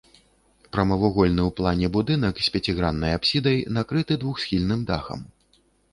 Прамавугольны ў плане будынак з пяціграннай апсідай накрыты двухсхільным дахам.